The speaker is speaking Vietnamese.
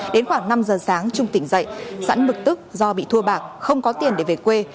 đến khoảng năm giờ sáng trung tỉnh dậy sẵn bực tức do bị thua bạc không có tiền để về quê